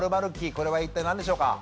これは一体何でしょうか？